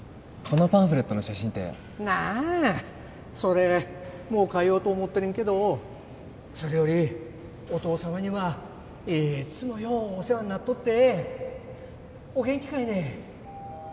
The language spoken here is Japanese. このパンフレットの写真ってなんそれもう替えようと思っとれんけどそれよりお父様にはいっつもようお世話になっとってお元気かいね？